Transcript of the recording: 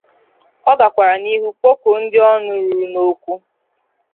Ọ gakwara n’ihu kpokuo ndị ọnụ ruru n’okwu